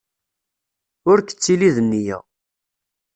Ur k-ttili d nneyya!